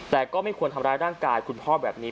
แต่ก็ไม่ควรทำร้ายร่างกายคุณพ่อแบบนี้